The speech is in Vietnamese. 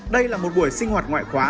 đây là một buổi sinh hoạt ngoại khóa